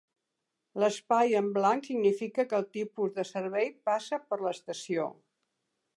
L'espai en blanc significa que el tipus de servei passa per l'estació.